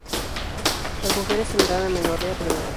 Las mujeres tendrán amenorrea primaria.